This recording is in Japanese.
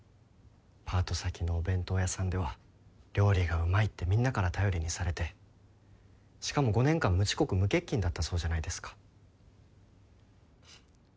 パート先のお弁当屋さんでは料理がうまいってみんなから頼りにされてしかも５年間無遅刻無欠勤だったそうじゃないですか。